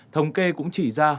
thống kê cũng chỉ ra